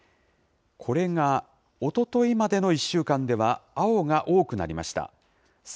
これがおとといまでの１週間では、青が多くなりました。